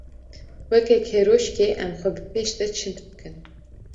Weke keroşkê em xwe bi pêş de çind bikin.